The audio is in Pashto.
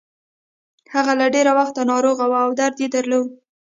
هغه له ډېره وخته ناروغه وه او درد يې درلود.